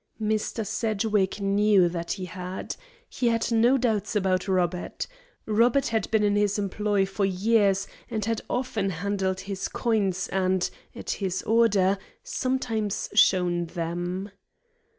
Mr. Sedgwick knew that he had. He had no doubts about Robert. Robert had been in his employ for years and had often handled his coins and, at his order, sometimes shown them.